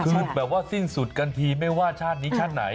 คือแบบว่าสิ้นสุดกันทีไม่ว่าชาตินี้ชาติไหน